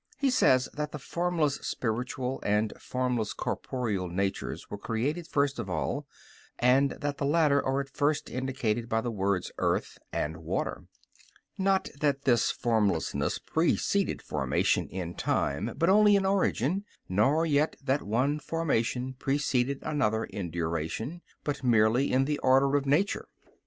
He says that the formless spiritual and formless corporeal natures were created first of all, and that the latter are at first indicated by the words "earth" and "water." Not that this formlessness preceded formation, in time, but only in origin; nor yet that one formation preceded another in duration, but merely in the order of nature.